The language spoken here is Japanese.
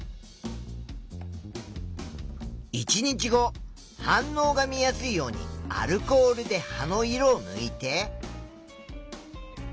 １日後反応が見やすいようにアルコールで葉の色をぬいて。